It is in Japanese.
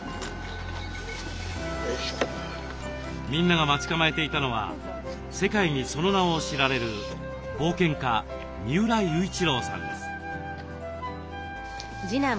みんなが待ち構えていたのは世界にその名を知られる冒険家三浦雄一郎さんです。